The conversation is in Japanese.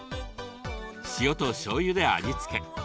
塩としょうゆで味付け。